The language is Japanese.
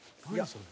それ。